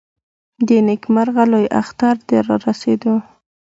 د نېکمرغه لوی اختر د رارسېدو .